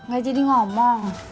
gak jadi ngomong